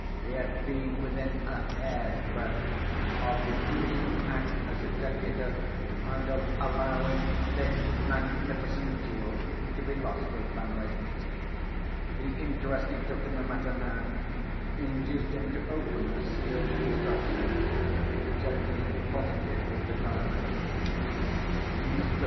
He had been within a hair's breadth of refusing to act as executor, and of allowing this magnificent jewel to be lost to the family. The interest he took in the matter now, induced him to open the sealed instructions which had been deposited with the Diamond. Mr.